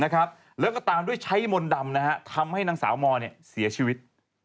แล้วก็ตามด้วยใช้มนต์ดำทำให้นางสาวมเสียชีวิต